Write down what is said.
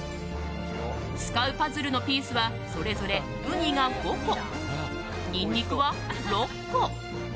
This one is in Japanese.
使うパズルのピースはそれぞれ、ウニが５個ニンニクは６個。